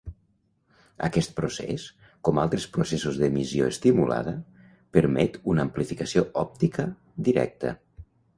Aquest procés, com altres processos d'emissió estimulada, permet una amplificació òptica directa.